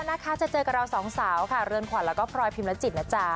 บรรณนะค่ะจะเจอกับเราสองสาวค่ะเริ่นขว่นแล้วก็พลอยพิมพ์และจิตนะจ๊ะ